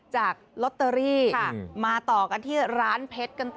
จากลอตเตอรี่มาต่อกันที่ร้านเพชรกันต่อ